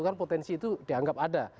kan potensi itu dianggap ada